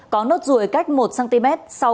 có nốt ruồi cách một cm